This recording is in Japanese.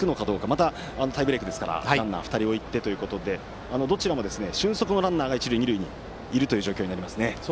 また、タイブレークですからランナーを２人置いてということでどちらも俊足のランナーが一塁、二塁にいますね。